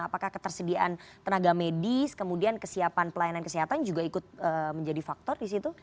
apakah ketersediaan tenaga medis kemudian kesiapan pelayanan kesehatan juga ikut menjadi faktor di situ